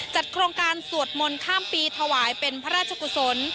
โครงการสวดมนต์ข้ามปีถวายเป็นพระราชกุศล